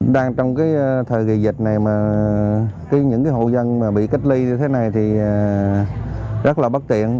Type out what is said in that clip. đang trong cái thời kỳ dịch này mà những hộ dân mà bị cách ly như thế này thì rất là bất tiện